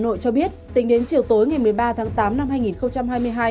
hà nội cho biết tính đến chiều tối ngày một mươi ba tháng tám năm hai nghìn hai mươi hai